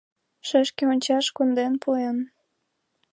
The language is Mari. Шешке ончаш конден пуэн.